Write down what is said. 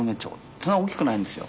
そんな大きくないんですよ。